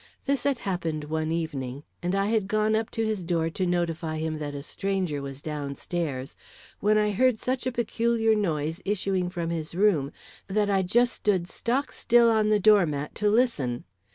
This had happened one evening, and I had gone up to his door to notify him that a stranger was down stairs, when I heard such a peculiar noise issuing from his room, that I just stood stock still on the door mat to listen.